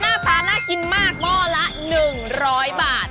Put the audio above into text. หน้าตาน่ากินมากหม้อละ๑๐๐บาท